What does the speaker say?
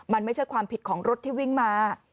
มันไม่ใช่ความผิดของรถที่วิ่งมา